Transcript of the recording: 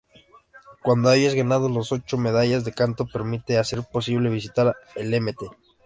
Cuando hayas ganado las ocho medallas de Kanto permite hacer posible visitar el Mt.